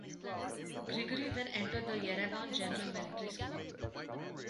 Grigory then entered the Yerevan General Military School.